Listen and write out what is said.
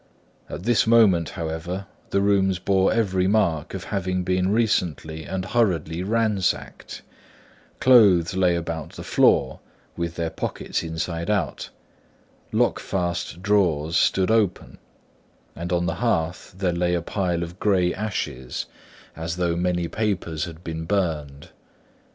At this moment, however, the rooms bore every mark of having been recently and hurriedly ransacked; clothes lay about the floor, with their pockets inside out; lock fast drawers stood open; and on the hearth there lay a pile of grey ashes, as though many papers had been burned.